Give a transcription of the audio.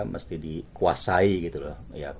mesti dikuasai gitu loh